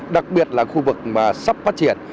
đặc biệt là khu vực mà sắp phát triển